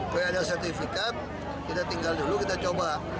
kalau ada sertifikat kita tinggal dulu kita coba